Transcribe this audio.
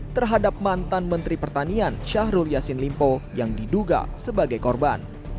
terhadap mantan menteri pertanian syahrul yassin limpo yang diduga sebagai korban